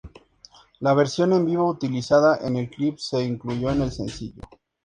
La versión en vivo utilizada en el clip se incluyó en el sencillo.